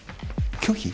拒否？